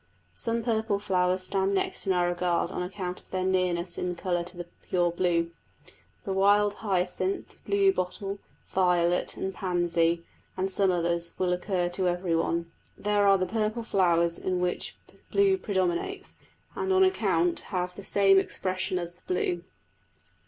Some purple flowers stand next in our regard on account of their nearness in colour to the pure blue. The wild hyacinth, blue bottle, violet, and pansy, and some others, will occur to every one. These are the purple flowers in which blue predominates, and on that account have the same expression as the blue.